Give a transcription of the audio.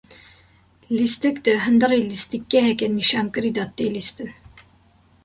Lîstik di hundirê lîstikgeheke nîşankirî de, tê lîstin.